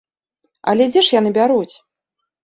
Але дзе ж яны бяруць?